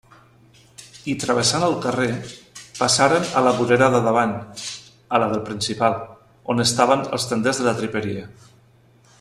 I travessant el carrer, passaren a la vorera de davant, a la del Principal, on estaven els tenders de la triperia.